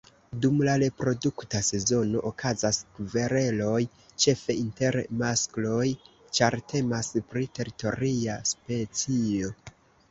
Dum la reprodukta sezono okazas kvereloj ĉefe inter maskloj, ĉar temas pri teritoria specio.